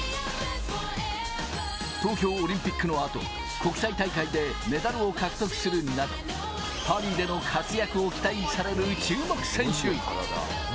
東京オリンピックの後、国際大会でメダルを獲得するなど、パリでの活躍を期待される注目選手。